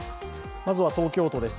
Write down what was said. まずは東京都です。